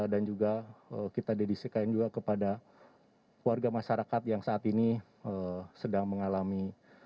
dan juga kita dedisikan kepada warga masyarakat yang saat ini sedang mengalami